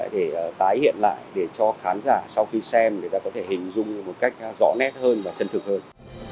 để tái hiện lại để cho khán giả sau khi xem người ta có thể hình dung một cách rõ nét hơn và chân thực hơn